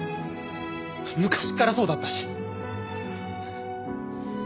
昔っからそうだったし。